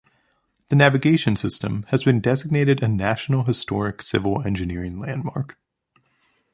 The navigation system has been designated a national Historic Civil Engineering Landmark.